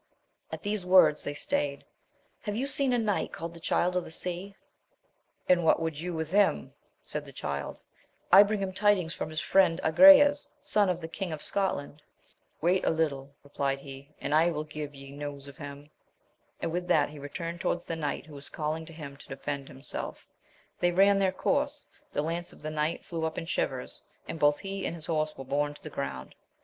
At thene wonln they irtayed, — Have ytm, ween a young knight called the Chikl of the Hea? And what wouUl you with him I naid the Chilri — I bring him tidings fnmi hin friend Agrayen, ion of the King of 8c/Hlarid, Wait a little, replierl he, ami I will give ye neww of him — and with that be turned towardn the knight, who wait calling to him Ui ilefend himnelf, lliey ran their c/nime : the lance of the knight flew up in ^hiverN, and Ix/th he and bin home were iKime Ut the ground.